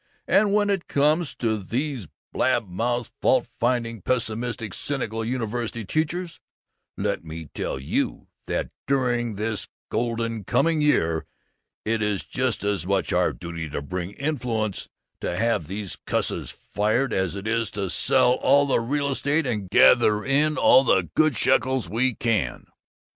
And when it comes to these blab mouth, fault finding, pessimistic, cynical University teachers, let me tell you that during this golden coming year it's just as much our duty to bring influence to have those cusses fired as it is to sell all the real estate and gather in all the good shekels we can.